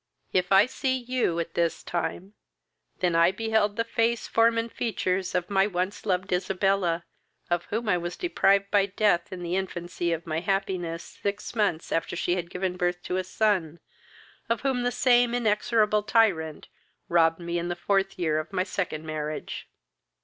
If I see you at this time, I then beheld the face, form, and features, of my once loved Isabella, of whom I was deprived by death in the infancy of my happiness, six months after she had given birth to a son, of whom the same inexorable tyrant robbed me in the fourth year of my second marriage."